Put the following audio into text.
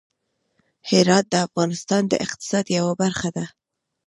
هرات د افغانستان د اقتصاد یوه برخه ده.